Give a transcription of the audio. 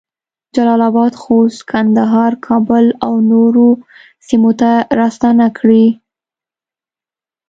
جلال اباد، خوست، کندهار، کابل اونورو سیمو ته راستنه کړې